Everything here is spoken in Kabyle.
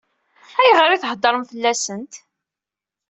Ayɣer i theddṛem fell-asent?